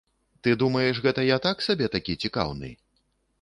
Ты думаеш, гэта я так сабе такі цікаўны?